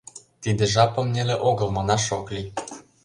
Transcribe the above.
Тиде жапым неле огыл манаш ок лий.